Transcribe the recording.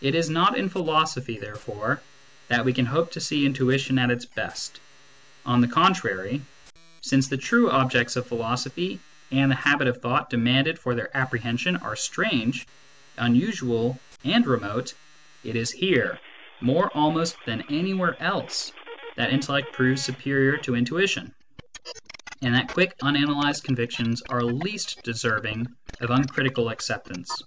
It is not in philosophy, therefore, that we can hope to see intuition at its best. On the contrary, since the true objects of philosophy, and the habit of thought demanded for their apprehension, are strange, unusual, and remote, it is here, more almost than any where else, that intellect proves superior to intuition, and that quick unanalysed convictions are least deserving of uncritical acceptance.